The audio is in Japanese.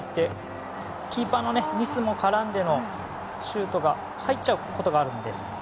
キーパーのミスも絡んでシュートが入っちゃうことがあるんです。